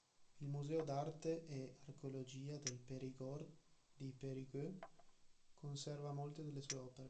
Il "Museo d'arte e archeologia del Périgord" di Périgueux conserva molte delle sue opere.